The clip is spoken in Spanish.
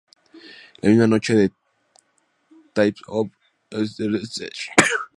La misma noche, The Hype Bros clasificaron al derrotar a The Ascension.